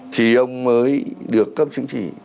thì ông mới được cấp chứng chỉ